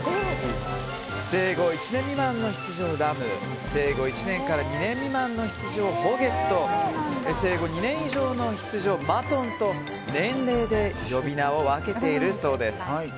生後１年未満の羊をラム生後１年から２年未満の羊をホゲット生後２年以上の羊をマトンと年齢で呼び名を分けているそうです。